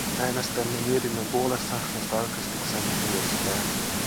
Äänestämme mietinnön puolesta, jos tarkistuksemme hyväksytään.